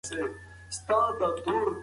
پرون مې یو مهم کتاب ولوست.